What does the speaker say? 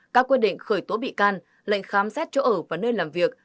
các quyết định khởi tố bị can lệnh khám xét chỗ ở và nơi làm việc